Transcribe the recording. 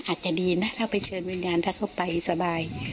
อาจจะดีนะถ้าไปเชิญวิญญาณถ้าเขาไปสบาย